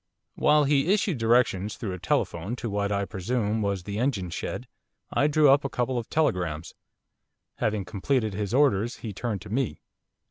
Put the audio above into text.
While he issued directions through a telephone to what, I presume, was the engine shed, I drew up a couple of telegrams. Having completed his orders he turned to me.